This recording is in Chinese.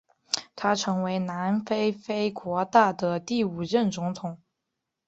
他成为南非非国大的第五任总统。